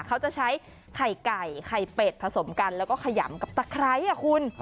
เขาจะใช้ไข่ไก่ไข่เป็ดผสมกันแล้วก็ขยำกับตะไคร้คุณ